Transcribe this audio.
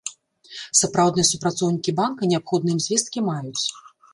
Сапраўдныя супрацоўнікі банка неабходныя ім звесткі маюць.